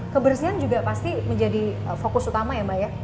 kebersihan juga pasti menjadi fokus utama ya mbak ya